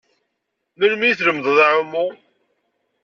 Melmi i tlemdem aɛummu?